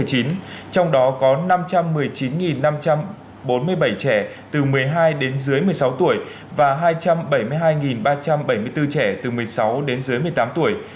trong đó có năm trăm một mươi chín năm trăm bốn mươi bảy trẻ từ một mươi hai đến dưới một mươi sáu tuổi và hai trăm bảy mươi hai ba trăm bảy mươi bốn trẻ từ một mươi sáu đến dưới một mươi tám tuổi